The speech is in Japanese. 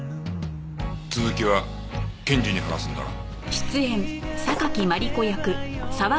続きは検事に話すんだな。